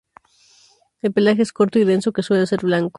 El pelaje es corto y denso, que suele ser blanco.